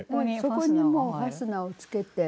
そこにもうファスナーをつけて。